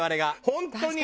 本当に。